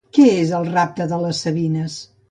Què és el rapte de les sabines?